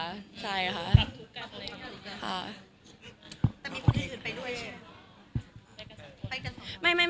แต่มีคนอื่นไปด้วยไหม